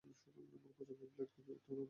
আমার পছন্দের ব্ল্যাক কফির কথা তোমার মনে আছে?